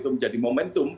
dan mendapatkan momentum